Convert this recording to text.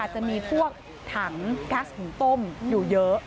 จะมีพวกถังกัสต้มอยู่เยอะ